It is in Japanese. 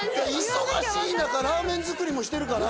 忙しい中ラーメン作りもしてるから。